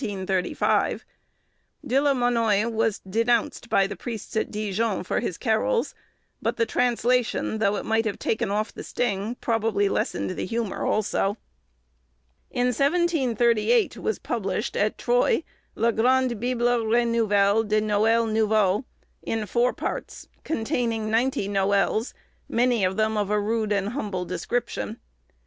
De la Monnoye was denounced by the priests at Dijon, for his carols; but the translation, though it might have taken off the sting, probably lessened the humour also. In 1738 was published, at Troyes, 'La Grande Bible Renouvelles de Noëls Nouveaux,' in four parts, containing ninety noëls, many of them of a rude and humble description.